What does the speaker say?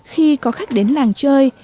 khi có khách đến làng chơi